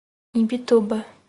Imbituba